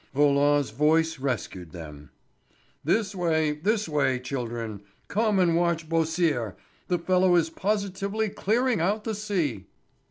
Roland's voice rescued them. "This way, this way, children. Come and watch Beausire. The fellow is positively clearing out the sea!"